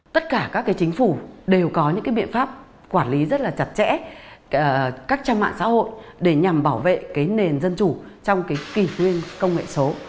tất cả các chính phủ đều có những biện pháp quản lý rất là chặt chẽ các trang mạng xã hội để nhằm bảo vệ cái nền dân chủ trong kỷ nguyên công nghệ số